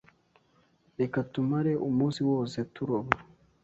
Reka tumare umunsi wose turoba.